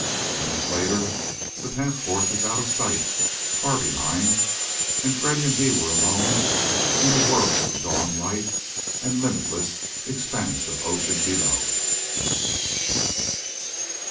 Minutes later the task force was out of sight far behind and Freddy and he were alone in a world of dawn light and limitless expanse of ocean below.